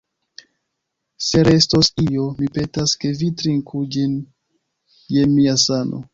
Se restos io, mi petas, ke vi trinku ĝin je mia sano.